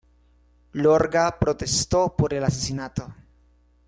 Iorga protestó por el asesinato.